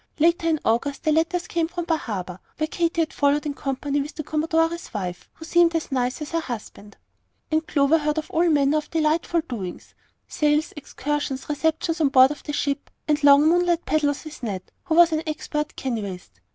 Later, in August, the letters came from Bar Harbor, where Katy had followed, in company with the commodore's wife, who seemed as nice as her husband; and Clover heard of all manner of delightful doings, sails, excursions, receptions on board ship, and long moonlight paddles with Ned, who was an expert canoeist.